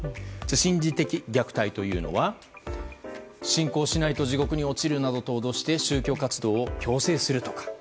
心理的虐待というのは信仰しないと地獄に落ちるなどと脅して宗教活動を強制するとか。